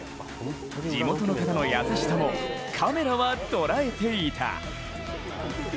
地元の方の優しさもカメラはとらえていた。